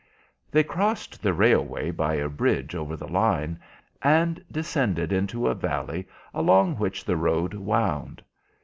They crossed the railway by a bridge over the line, and descended into a valley along which the road wound.